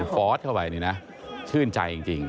ฟอสเข้าไปนี่นะชื่นใจจริง